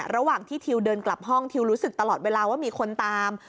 ระหว่างที่ทิวเดินกลับห้องทิวรู้สึกตลอดเวลาว่ามีคนตาม